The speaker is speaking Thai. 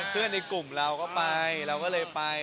ในกลุ่มเราก็ไปเราก็เลยไป